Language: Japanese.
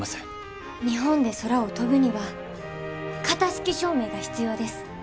日本で空を飛ぶには型式証明が必要です。